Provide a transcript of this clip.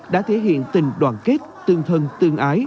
đã thể hiện tình đoạn của bệnh viện một trăm chín mươi tám